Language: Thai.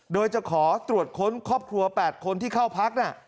โดยจะขอตรวจค้นครอบครัว๘คนที่เข้าพัก